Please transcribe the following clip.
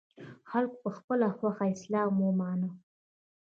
خلکو په خپله خوښه اسلام ومانه